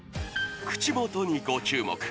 口元にご注目